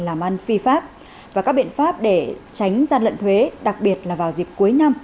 làm ăn phi pháp và các biện pháp để tránh gian lận thuế đặc biệt là vào dịp cuối năm